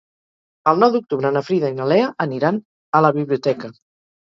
El nou d'octubre na Frida i na Lea aniran a la biblioteca.